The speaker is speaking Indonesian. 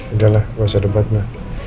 udah lah nggak usah debat ma